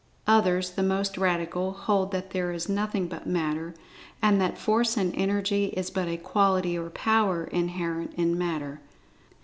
Others, the most radical, hold that there is nothing but Matter, and that Force and Energy is but a "quality," or "power," inherent in Matter.